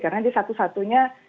karena dia satu satunya